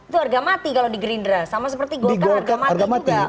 dia mati kalau di gerindra sama seperti golkar harga mati juga munas